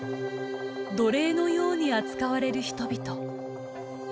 奴隷のように扱われる人々。